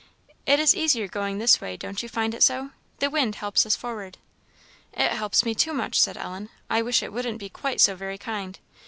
"It is easier going this way, don't you find it so? The wind helps us forward." "It helps me too much," said Ellen; "I wish it wouldn't be quite so very kind.